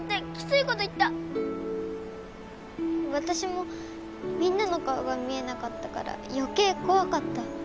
私もみんなの顔が見えなかったからよけいこわかった。